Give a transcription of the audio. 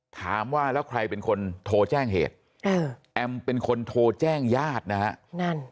ถามว่าแล้วใครเป็นคนโทรแจ้งเหตุแอมเป็นคนโทรแจ้งญาตินะฮะนั่น